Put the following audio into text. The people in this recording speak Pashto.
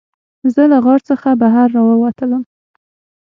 زه له غار څخه بهر راووتلم.